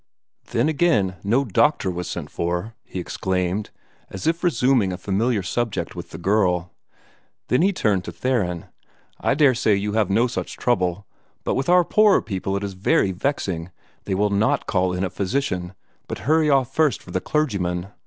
"Then, again, no doctor was sent for!" he exclaimed, as if resuming a familiar subject with the girl. Then he turned to Theron. "I dare say you have no such trouble; but with our poorer people it is very vexing. They will not call in a physician, but hurry off first for the clergyman.